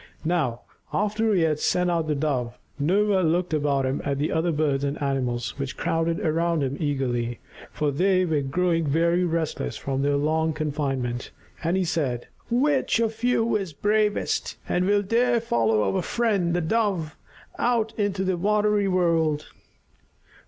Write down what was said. Now after he had sent out the Dove, Noah looked about him at the other birds and animals which crowded around him eagerly, for they were growing very restless from their long confinement, and he said, "Which of you is bravest, and will dare follow our friend the Dove out into the watery world?